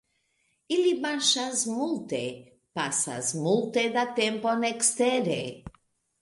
Ili marŝas multe, pasas multe da tempon ekstere.